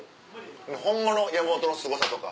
ホンマの山本のすごさとか。